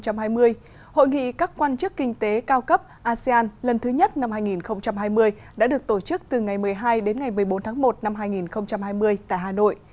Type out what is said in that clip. hội nghị các quan chức kinh tế cao cấp asean lần thứ nhất năm hai nghìn hai mươi đã được tổ chức từ ngày một mươi hai đến ngày một mươi bốn tháng một năm hai nghìn hai mươi tại hà nội